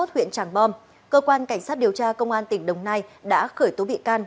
sáu mươi một huyện tràng bom cơ quan cảnh sát điều tra công an tỉnh đồng nai đã khởi tố bị can